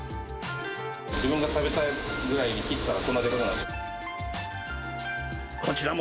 自分が食べたいぐらいに切ったら、こんなでかくなっちゃった。